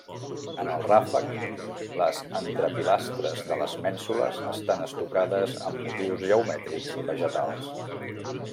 En el ràfec, les entrepilastres de les mènsules estan estucades amb motius geomètrics vegetals.